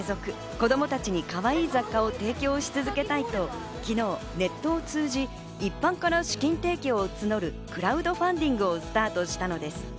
子供たちにかわいい雑貨を提供し続けたいと昨日、ネットを通じ、一般から資金提供を募るクラウドファンディングをスタートしたのです。